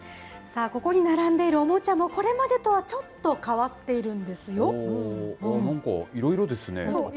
ここに並んでいるおもちゃも、これまでとはちょっと変わっているなんかいろいろですね。